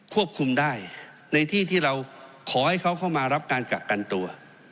ควบคุมได้ในที่ที่เราขอให้เขาเข้ามารับการกักกันตัว